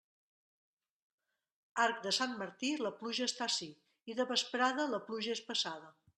Arc de Sant Martí, la pluja està ací; i de vesprada, la pluja és passada.